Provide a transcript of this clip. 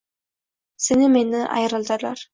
Seni mendan ayirdilar.